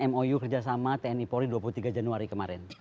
mou kerjasama tni polri dua puluh tiga januari kemarin